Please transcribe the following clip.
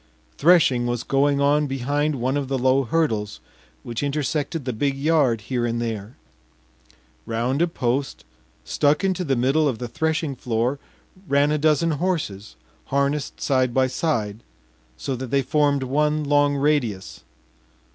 Threshing was going on behind one of the low hurdles which intersected the big yard here and there. Round a post stuck into the middle of the threshing floor ran a dozen horses harnessed side by side, so that they formed one long radius.